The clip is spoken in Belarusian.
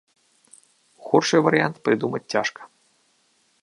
Горшы варыянт прыдумаць цяжка.